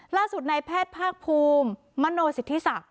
ล่าสุดในแพทย์ภาคภูมิมโนสิทธิศักดิ